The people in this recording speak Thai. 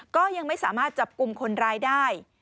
ก็ยังไม่สามารถจับกลุ่มคนร้ายได้